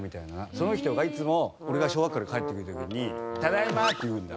その人がいつも俺が小学校から帰ってくる時に「ただいま！」って言うんだ。